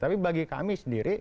tapi bagi kami sendiri